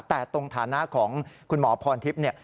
แต่ตรงฐานะของคุณหมอพรทิพย์เนี่ย